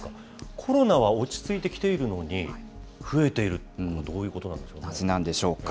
コロナは落ち着いてきているのに、増えているというのは、なぜなんでしょうか。